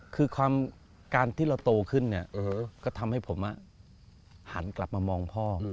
คือการที่เราโตขึ้นเนี่ยก็ทำให้ผมหันกลับมามองพ่อ